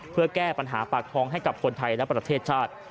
เพื่อแก้ปัญหาปากท้องให้กับคนไทยและประเทศชาติ